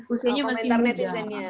usianya masih muda